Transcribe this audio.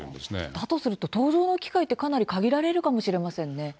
だとすると搭乗の機会はかなり限られるかもしれませんね。